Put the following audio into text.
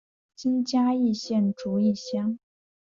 今嘉义县竹崎乡。